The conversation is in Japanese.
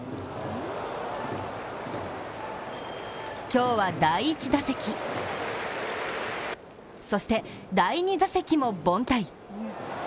今日は第１打席、そして第２打席も凡退。